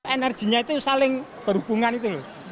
energinya itu saling berhubungan itu loh